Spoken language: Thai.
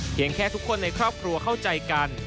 แค่ทุกคนในครอบครัวเข้าใจกัน